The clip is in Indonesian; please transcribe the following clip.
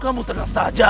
kamu tenang saja